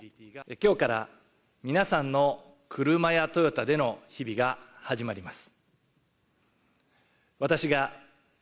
今日から皆さんの車やトヨタでの日々が始まります。